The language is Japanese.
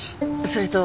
それと。